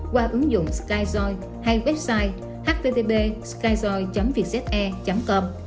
qua ứng dụng skyjoy hay website http skyjoy vjete com